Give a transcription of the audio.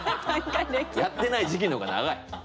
やってない時期の方が長い。